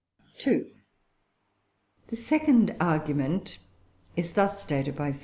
II. The second argument is thus stated by Sir W.